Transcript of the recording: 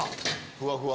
ふわふわ！